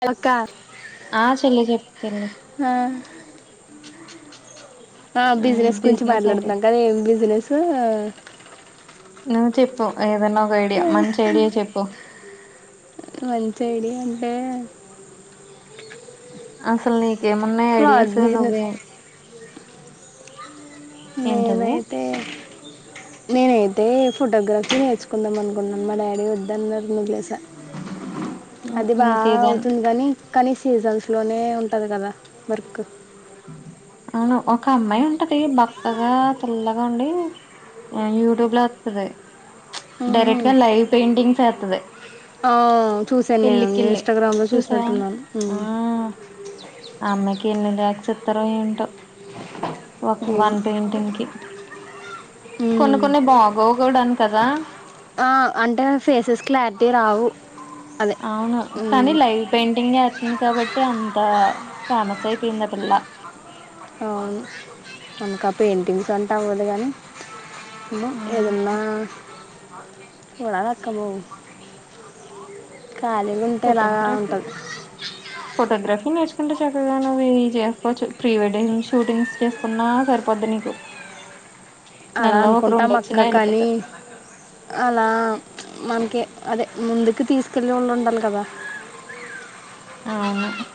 Hello అక్కా ఆ చెల్లి చెప్పు చెల్లి ఆ ఆ బిజినెస్ గురించి మాట్లాడుతున్నాం కాని ఏం బిజినెస్ నువ్వు చెప్పు ఏదన్నా ఒక ఐడియా మంచైడియా చెప్పు మంచైడియా అంటే అస్సల్నీకేమన్నా ఐడియాస్ క్లాత్ నువ్వే బిజినెస్ ఏంటది నేనైతే నేనైతే ఫోటోగ్రఫీ నేర్చుకుందాం అనుకున్నాను మా డాడీ ఒద్దన్నారని ఒదిలేసా అది ఇంకేదైనా బాగవుతుంది గాని కానీ సీజన్స్ లోనే ఉంటది గదా వర్క్ ఔను ఒక అమ్మాయి ఉంటది బక్కగా తెల్లగా ఉండి యూట్యూబ్ లో ఒత్తది డైరెక్ట్ గా లైవ్ పెయింటింగ్స్ ఏస్తది ఓ చూసాన్నేను ఇంస్టాగ్రామ్ లో చూసావా చూసినట్టున్నాను ఆమెకి ఎన్ని లాక్స్ ఇత్తరో ఏంటో ఒక ఏమో వన్ పెయింటింగ్కి కొన్ని కొన్ని బాగోవ్ గూడావ్ గదా ఆ అంటే ఫేసెస్ క్లార్టీగ రావు అదే ఔను ఉమ్, కానీ లైవ్ పెయింటింగ్ ఏత్తుంది కాబట్టి అంత ఫేమసైపోయింది ఆ పిల్ల ఔను ఇంకా పెయింటింగ్స్ అంటే అవ్వదు గానీ ఇగో ఏదున్నా మ్మ్. లాగకబో కాలే ఫోటోగ్రఫీ ఫోటోగ్రఫీ నేర్చుకుంటే చక్కగా నువ్వి చేస్కోచ్చు ప్రీ వెడ్డింగ్ షూటింగ్స్ చేస్ కున్నా సరిపోద్ది నీకు అలా నెలలో ఒక రెండు అనుకుంటాం వచ్చినా అక్క కానీ వెళ్ళిపోతాయి అలా మన్కి అదే ముందుకి తీస్కెళ్లే వాళ్ళుండాలి గదా అవును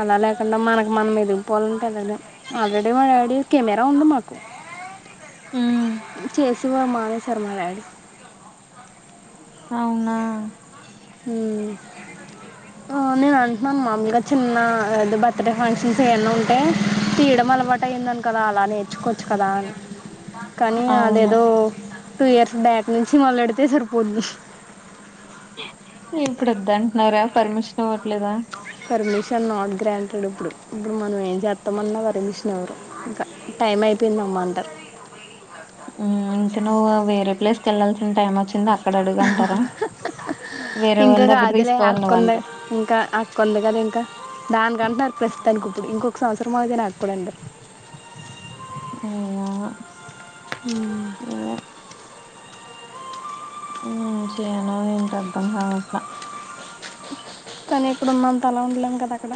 అలా లేకుండా మనకు మనం ఎదిగిపోవాలంటే ఎళ్ళలేం ఆల్రెడీ మా డాడి కెమెరా ఉంది మాకు ఉమ్ చేసే వారు మానేసారు మా డాడీ అవునా ఉమ్ ఆ నేనంట్నాను మాముల్గా చిన్న బర్త్డే ఫంక్షన్స్ ఏమన్నుంటే తీయడం అలవాట్ టైందని గదా అలా నేర్చుకోచ్చు గదా అని కానీ అవును అదేదో టూ ఇయర్స్ బ్యాక్ నుంచి మొదలెడితే సరిపోద్ది ఇప్పుడొద్దంటున్నారా పర్మిషన్ ఇవ్వట్లేదా పర్మిషన్ నాట్ గ్రాంటెడ్ ఇప్పుడు ఇప్పుడు మనం ఏం చేత్తామన్నా పర్మిషన్ ఇవరు ఇంకా టైమైపోయింది అమ్మ అంటారు ఉ ఇంక నువ్వు వేరే ప్లేస్ కెళ్లాల్సిన టైమొచ్చింది అ వేరే ఇంక వాళ్ళ దగ్గర కాదులే తీసుకోవాలి నువ్వు ఆక్కుంది అంటారు ఇంకాఅ ఉంది గదా ఇంక దానికంటున్నారు ప్రస్తుతానికి ఇప్పుడు ఇంకొక సంవత్సరం అగితే నాక్కూడా అంటారు అయ్య ఉమ్ ఏం చేయలో ఏంటో అర్ధం కావట్ల కానీ ఇప్పుడు ఉన్నంత అలా ఉండలేం కదా అక్కడ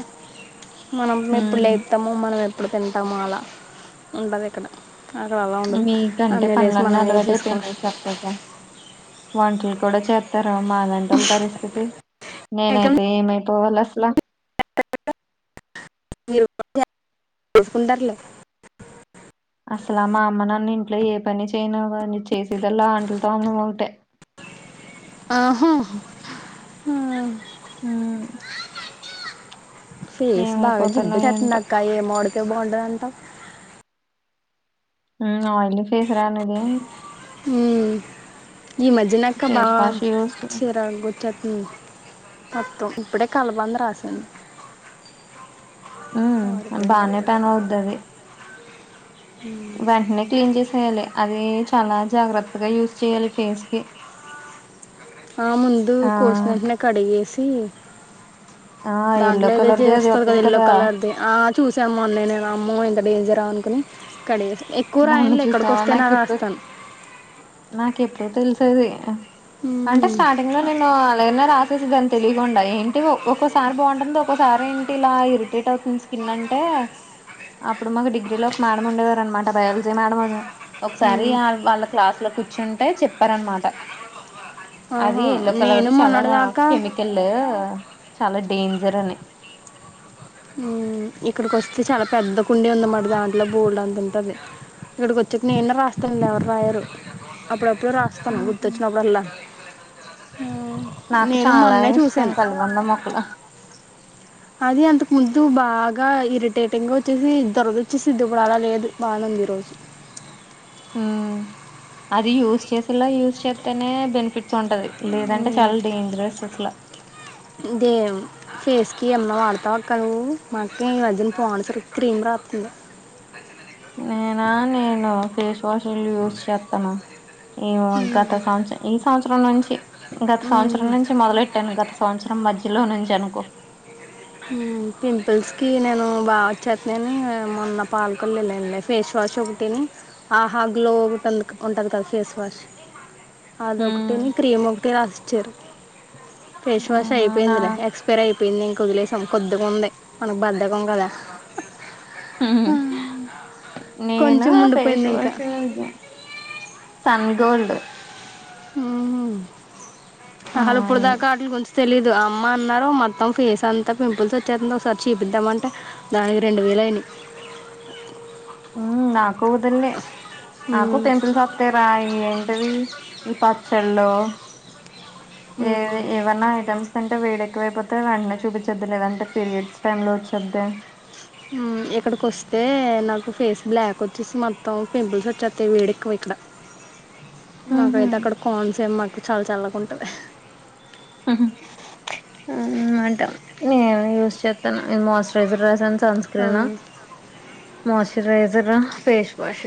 మనం ఎప్పుడు హ్మ్. లేపో తాము మనం ఎప్పుడు తింటామొ అలా ఉంటది ఇక్కడ అగొ అలా ఉండదు మీకంటే అన్ని డేస్ పనులన్నీ మనం వేసేసుకోవాలి అలవాటైపోయినాయి చెక్కగా వంటలు కూడా చేత్తారు మా లాంటోల పరిస్థితి ఎక్కడ నేనైతే ఏమైపోవాలి అసల [unintelligible] ఉండర్లే అసలు ఆ మా అమ్మ నన్ను ఇంట్లో ఏ పని చేయనివ్వదు చేసేదలా ఆంట్లు తోమడం ఒకటే మ్ హు మ్ ఉమ్ ఫేస్ బాగా ఏంటో. జిడ్డువచేతుందక్క ఎం వాడితే బావుంటదంటావ్ ఆయిల్ ఫేస్ రా నీది మ్ ఈ మధ్యనక్క బా ఫేస్ వాష్ యూజ్ చెయి. చిరకు మ్ మొత్తం ఇప్పుడే కలబంద రాసాను ఉమ్అది బానే అప్పుడే పని అవుద్దది వెంటనే క్లీన్ చేసేయాలి అది చాలా జాగ్రత్తగా యూస్ చేయ్యాలి ఫేస్ కి ఆ ముందు ఆ! కోసినెంటనే కడిగేసి ఆ ఎల్లో దాంట్లో ఏదో కలర్ది అది వస్తది కదా వత్తది ఎల్లో కలర్ది ఆ చూసాను మొన్నె నేను అమ్మో ఇంత డేంజరా అనుకుని కడిగేస ఎక్కువ మొన్న రాయన్లే చూసావా ఇక్కడికొస్తేనె నాకు ఇప్పుడు రాస్తాను నాకు ఎప్పుడో తెలుసది అంటే ఉమ్. స్టార్టింగ్ లో నేను అలాగనె రాస్ వచ్చ దాని తెలియకుండా ఏంటి ఒక్కోక్కసారి బాగుంటుంది ఒక్కోసారి ఏంటి ఇలా ఇరిటేట్ అవుతుంది స్కిన్ అంటే అప్పుడు మాకు డిగ్రీలో ఒక మేడం ఉండేవారు అనమాట బయాలజీ మేడం అని ఒకసారి ఉమ్. వాళ్ళ క్లాస్ కూర్చుంటె చెప్పరానమాట అది ఆహా ఎల్లో కలర్ నేను ది చాలా మొన్నటిదాకా కేమి కల్ చాలా డేంజర్ అని మ్ ఇక్కడికి వస్తే చాలా పెద్ద కుండీ ఉంది మట దాంట్లో బోల్డు అంత ఉంటది ఇక్కడికి వచ్చాక నేనే రాస్తాను ఎవరు రాయారు అప్పుడప్పుడు రాస్తా ఉహు. గుర్తొచ్చినప్పుడు అల్లా నేను మొన్నే చూసాను వంద మొకులా అదె అంతకు ముందు బాగా ఇరిటేటింగ్ గా వచ్చేసి దురద వచ్చేసిద్ది ఇప్పుడు అలా లేదు బానే ఉంది ఈ రోజు ఉమ్ అది యూజ్ చేసేలా యూజ్ చేస్తేనే బెనిఫిట్స్ ఉంటది లేదంటే చాలా డేంజరస్ అసలా దేం ఫేస్ కి ఏమన్నా వాడతావు అక్క నువ్ మాఅక్కే ఈ మధ్యన పోనసరూ క్రీమ్ రాస్తంది నేనా నేను ఫేస్ వాష్ లు యూజ్ చేత్తను ఏమొ గత ఉమ్, సంవత్సరం ఈ సంవత్సరం నుంచి గత సంవత్సరం ఉమ్. నుంచి మొదలెట్ ట్టను గత సంవత్సరం మధ్యలో నుంచి అనుకో పింపుల్స్ కి నేను బాగా వచ్చేస్తయి అని మొన్న పాల్కొలేల్లాన్ లే ఫేస్ వాష్ ఒకటి ఆహా గ్లో ఉంటది కదా ఫేస్ వాష్ ఉమ్ అదొకటిని క్రీమ్ ఒకటి రాసిచ్చారు ఫేస్ వాష్ అవునానా అయిపోయిందిలే ఎక్ క్స్ పేర్ అయిపోయింది ఇంక వదిలేసాం కొద్దిగా ఉంది మనకు బద్దకం కదా ఆ, నేను కొంచెం ఫేస్ ఉండిపోయింది ఇంకా వాష్ ఇది సన్గోల్డ్ ఉమ్ ఆ అసలు ఇప్పుడు ఇది దాకా అటిలు కొంచం తెలీదు అమ్మ అన్నారు మొత్తం ఫేస్ అంతా పింపుల్స్ వచ్చేతాంది ఒకసారి చూపిద్దామ అంటే దానికి రెండు వేలు అయినయ్ మ్ నా కూతుళ్ళే నాకు మ్మ్. టెంపిల్స్ తే రాయి ఏంటిది ఈ పచ్చళ్ళు ఏ మ్మ్. ఏవన్నా ఐటమ్స్ అంటె వేడేక్కువైపోతే వెంటనే చూపించొద్దు లేదంటే పీరియడ్స్ టైం లో వొచ్చుద్ది మ్ ఇక్కడికొస్తే నాకు ఫేస్ బ్లాక్ వచ్చేసి మొత్తం పింపుల్స్ వచ్చెత్తయ్ వేడేక్కువ ఇక్కడ ఉహు నాకైతే అక్కడ కాన్స్ ఏమి మాకు చాలా చల్ల గుంటది అ హా ఉమ్ అంటా నేను యూస్ చేత్తన్న ఇది మొయిస్ట్రైజర్ రాసాన్ సన్ ఆ, క్రినా మొయిస్ట్రైజర్ ఫేస్ వాష్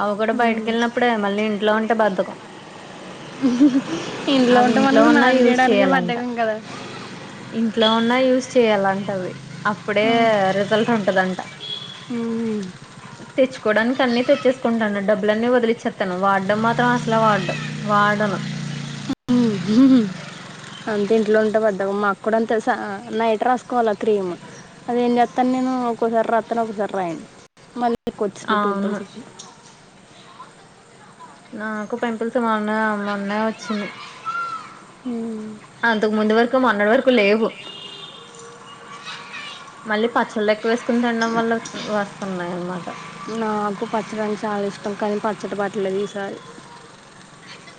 అవి కూడ ఉమ్. బయటకి ఎళ్ళినప్పుడే మళ్ళీ ఇంట్లో ఉంటే బద్దకం ఇంట్లో అవి ఉంటే మనకు ఉన్నా స్నానం యూజ్ చేయడానికే చేయాలంట బద్దకం కదా ఇంట్లో ఉన్న యూస్ చేయాలంటది అప్పుడే ఉమ్, రిజల్ట్ ఉంటదంట ఉమ్, తెచ్చుకోడానికి అన్ని తె చేసుకుంటాను డబ్బులన్నీ వదిలిచ్చేత్తను వాడ్డం మాత్రం అసలు వాడ్ వాడను ఉమ్ ఉంహు అంతె ఇంట్లో ఉంటే బద్దకం మాకు కూడ అంత్ తెలుసా నైట్ రాసుకోవాల క్రీమ్ అదేం చెత్తాను నేను ఒకోసారి రాత్తను ఒకోసారి రాయను మళ్ళి ఎక్కు వచ్చింది అవును పింపుల్స్ నాకు పింపుల్స్ మొన్ననె మొన్నే వచ్చింది ఊమ్ అంతకు ముందు వరకు మొన్నటి వరకు లేవు మళ్ళి పచ్చళ్ళు ఎక్కువ వేసుకుని తినడం వల్ల వత్ వస్తున్నాయి అనమాట నాకు పచ్చడంటె చాలా ఇష్టం కానీ పచ్చడి పట్టలెదు ఈసారి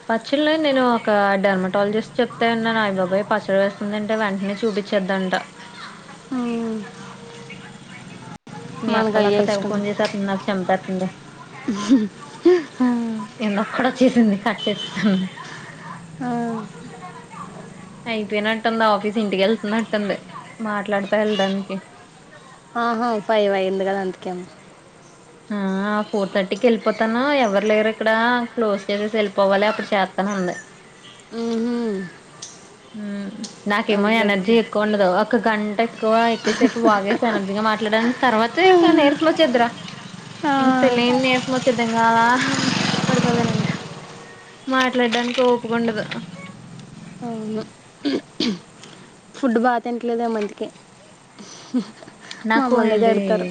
పచ్చళ్ళు నేను ఒక డర్మటాలజిస్ట్ చెప్తే విన్నాను అయయ్ బాబొయ్ పచ్చడి వేసుకొని తింటె వెంట్నే చూపి చ్చొదంటా ఆ మీ అక్కొలక్క తెగ ఫోన్ చేసేస్తుంది నాకు చంపేతుంది ఉంహు ఆ ఇందాక్కుడ చేసింది కట్ చేసెసాను ఆ అయిపోయినట్టుంది ఆఫీస్ ఇంటికి ఎళ్తున్నట్టుంది మాట్లాడత ఎళ్ళడానికి ఆహా ఫైవ్ అయింది గదా అందుకే ఆ ఫోర్ థర్టీకి ఎళ్ళిపోతను ఎవరు లేరిక్కడా క్లోజ్ చేసేసి ఎళ్ళిపోవాలి అప్పుడు చేత్తను అంది మ్ హు ఉమ్ నాకేమో ఎనర్జీ ఎక్కువ ఉండదు ఒక గంట ఎక్కువ ఎక్కువసేపు వాగేసి ఎనర్జీ గా మాట్లాడన్ తర్వాత ఇంక నీరసం వస్ ఆ, ఆ, ఇంత లోనే తెలియని నీరసం వచ్చేద్ది. ఇంగా అలా పడిపోతాను ఇంక. మాట్లాడడానికి ఒపికుండదు. అవును ఫుడ్ బా తింట్లేదు ఏమో అందుకే నాకు మమ్మల్ని ఏంటి దిడతారు.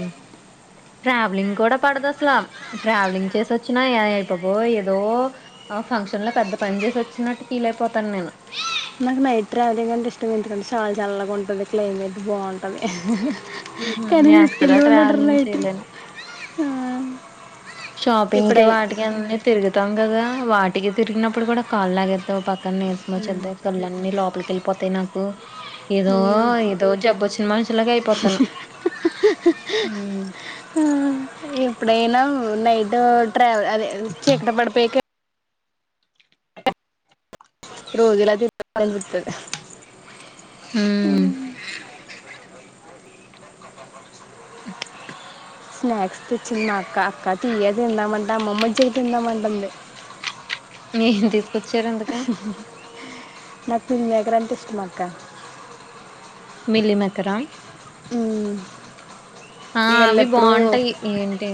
ట్రావెలింగ్ కూడ పడదు అసలా. ట్రావెలింగ్ చేసి వచ్చినా ఏయ్ అయిబాబొయ్ ఏదో ఆ ఫంక్షన్ లో పెద్ద పని చేసి వచ్చినట్టు ఫిలైపోతాను నేను. నాకు నైట్ ట్రావెలింగ్ అంటే ఇష్టం. ఎందుకంటే చాలా చల్లగా ఉంటాది. క్లైమేట్ బావుంటది. మ్మ్ హు కానీ నేను అసలు తీసుకెల్లె వాళ్ళుండరు ట్రావెలింగ్ నైటు. చేయలేను షాపింగ్ కి వాటికి అన్నీ. తిరుగుతాం గదా వాటికి తిరిగినప్పుడు కూడ కాళ్ళు లాగేత్తయ్ ఒ పక్క నీరసం మొచ్చేద్ది కండ్లన్నీ లోపలికి వెళ్ళిపోతయ్ నాకు. ఏదో ఏదొ జబ్బు వచ్చిన మనుషిలాగ అయిపోతిన్నాం. హా ఎప్పుడైనా నైటూ ట్రావెల్ అదే చీకటి పడిపోయాక రోజూ అలా తిరగాల అనిపిస్తాది. మ్ ఉ స్నాక్స్ తెచ్చింది మా అక్క. అక్క తియ్యే తిందామంటే అమ్మమ్మవచ్చాక తిందామంటుంది. ఏం తీస్ అహ్ నథింగ్ ఎక్కడ అనిపిస్తుంది అక్కా? మిల్ మేకరా మ్ ఆ అవి బాగుంటాయి. ఏంటి,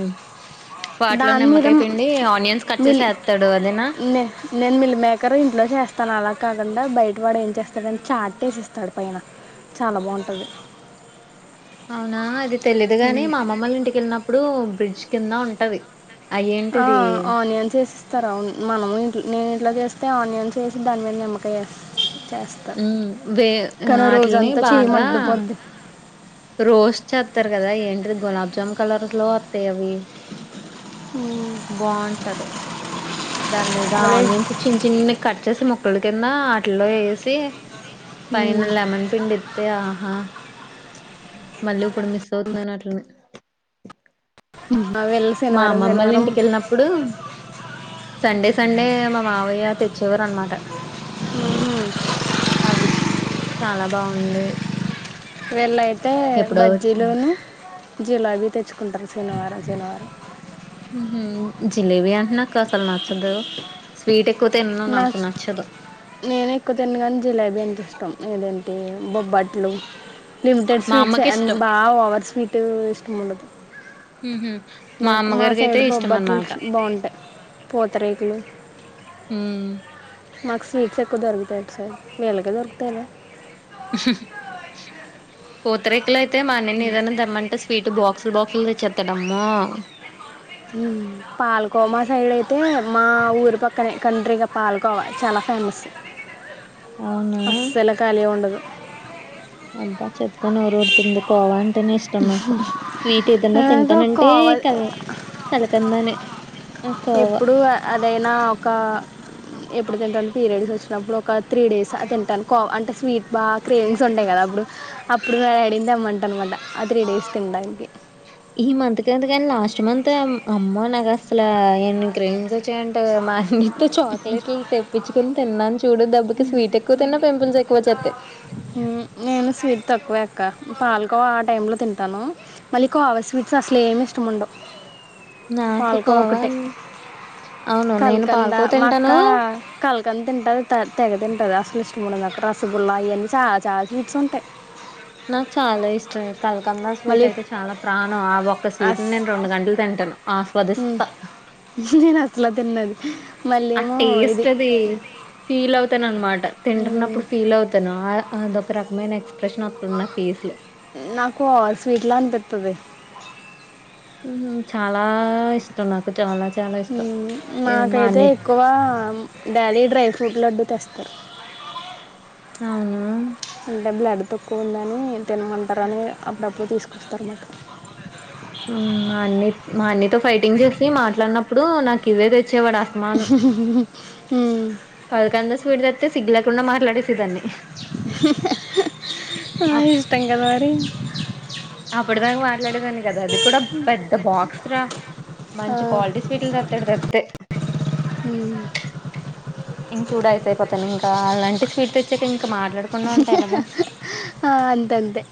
వాట్లో దాని మీద నిమ్మకాయ పిండి ఆనియన్స్ కట్ చేసి మిల్ ఏత్తాడు అదేనా. నే- నేను మీల్ మేకర్ ఇంట్లో చేస్తాను అలా కాకుండా బైట వాడు ఏం చేస్తాడని చాట్టేసిస్తాడు పైన చాలా బాగుంటాది. అవునా అది తెలేదు గాని మ్మ్. మా అమ్మమ్మోళ్ళింటికెళ్ళినప్పుడు బ్రిడ్జ్ కింద ఉంటది. ఆ అయ్యేంటిది ఆనియన్స్ ఏస్తారు? అవును. మనము నేనెట్లా చేస్తా ఆనియన్స్ వేసి దాని మీద నిమ్మకా చేస్ ఉమ్ వే కానీ ఆటిల్ని రోజంతా చేయి బాగా మండిపోద్ది రోస్ట్ చెత్తారు గదా ఏంటి గులాబ్జాము కలర్ లో అత్తయ్యా అవి మ్ బాంటాది. దాని మీద మళ్ళీ ఆనియన్స్ చిన్న చిన్న కట్ చేసి ముక్కల కింద వాటిల్లో వేసి పైన మ్మ్. లెమన్ పిండిత్తే, ఆహా! మళ్ళీ ఇప్పుడు మిస్ అవుతున్నా వాటిని. అవెల్లా మా అమ్మమ్మోల్లింటికెళ్ళి నప్పుడు సండే సండే మా మావయ్య తెచ్చేవారు అన్నమాట. అవి చాలా బాగుండేవి. వెళ్ళైతే బజ్జీలును, జిలేబీ తెచ్చుకుంటాము శనివారం శనివారం. మ్ హు జిలేబీ అంటే నాకస్సలు నచ్చదు. స్వీటెక్కువ తినకూడదు. నాకు నేనే తినను గాని జిలేబీ అంటే ఇష్టం ఏదంటే బొబ్బట్లు లిమిటెడ్ మా స్వీట్సే అమ్మకి ఎం ఇష్టం బా ఓవర్ స్వీట్ ఇష్టముండదు ఊహూ నాకు మా అమ్మగారికి అయితే సైడ్ ఇష్టం అనమాట బొబ్బట్టుల్స్ బాగుంటాయ్ పోతరేకులు ఉమ్ మాకు స్వీట్స్ ఎక్కువ దొరుకుతాయి ఇట్ సైడ్ వీళ్ళకీ దొరుకుతాయ్ లే ఉహుహు పూతరేకులైతే మా అన్నయ్యని ఏదైనా దెమ్మంటే స్వీట్ బాక్సులు బాక్సులు తెచ్చేత్తాడమ్మో ఉమ్ పాల్కోవ మా సైడైతే మా ఊరు పక్కనే కంట్రీగా పాల్కోవా చాలా ఫేమస్ అవునా అస్సల కాలి ఉండదు అబ్బా చెప్తే నోరూర్ తుంది కోవా అంటేనే ఇష్టం నాకు స్వీట్ ఏదన్నా నాకు తింటానంటే కావ కదు కలకండానే ఇప్పుడు అదైనా ఒక ఎప్పుడు తింటాను పీరియడ్స్ ఒచ్చినప్పుడు ఒక త్రీ డేస్ తింటాను అంటే స్వీట్ బా క్రేవింగ్స్ ఉంటై కదా అప్పుడు అప్పుడు మా డాడీనీ తెమ్మంట ఆ త్రీ డేస్ తిన్డాన్కి ఈ మంత్ కాదు కాని లాస్ట్ మంతే అమ్మో నాకస్సలా ఏన్ని క్రేవింగ్స్ ఒ చ్చాయంటె కదా మా అన్నియ్తో చాక్లెట్లు తెప్పించుకుని తిన్నాను చూడు దెబ్బకి స్వీటె క్కువ తిన్నా పింపుల్స్ ఎక్కువొచ్చేతై ఉమ్ నేను స్వీట్ తక్కువే అక్క పాల్కోవ ఆ టైం లో తింటాను మళ్ళీ కోవా స్వీట్స్ అస్లేమి ఇష్టముండవ్ నాకు కోవా అం ఔను నేను పాల్కోవ తింటనూ కంతింటాను తెగ తింటారు అస్లు ఇష్ట ముండదు అక్కడా రసగుల్లా ఇయన్నీ చాల చాల స్వీట్ ఉంటాయ్ నాకు చాలా ఇష్టం కలకంద మళ్ళీ స్వీటైతే చాలా ప్రాణం ఆ వొ క్క స్వీట్ ని నేను రెండు గంటలు తింటాను ఆస్వాదిస్తా అస్ నేను అస్లా తిన్నది మళ్ళీ ఆ ఏమో ఇది టేస్ట్ దీ ఫీలవుతాను అన్మాట మ్, తింటున్నప్పుడు ఫీలవుతానా ఆ అదొక రకమైన ఎక్స్ప్రెషన్ ఒ టున్న ఫేస్లో నాకు ఆ స్వీట్ లా అన్పిత్తది ఉహు చాలా ఇష్టం నాకు చాలా చాలా ఇష్టం ఇ మా అన్నయ్ క్కువ డ్యాలీ డ్రై ఫ్రూట్ లడ్డు తెస్తరు అవునా అంటే బ్లడ్ తక్కువుందని తినమంటారని అప్పుడప్పుడు తీస్కొస్తారనా మాట ఉమ్ మా అన్నయ్ మా అన్నయ్తో ఫైటింగ్ చేసి మాట్లాడినప్పుడు నాకు ఇవే తెచ్చేవాడు ఆఫ్ ఉమ్ కల్కంద స్వీట్ దెత్తే సిగ్గులేకుండా మాట్లాడేసే దాన్ని ఉహ హు హా హా అప్ మరి ఇష్టం కదా మరి అప్పుడ్ దాకా మాట్లాడేదాన్నీ కదా అది కూడా పెద్ద బాక్స్ రా ఆ, మంచి క్వాల్టీ స్వీట్లు తెత్తాడు తెత్తే ఉమ్ ఇంకా చూడు ఐసైపోతాను ఇంకా అలాంటి స్వీట్ తెచ్చాక ఇంకా మాట్లాడకుండా ఉంటే ఎలగా ఆ అంతంతే